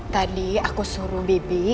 tadi aku suruh bibi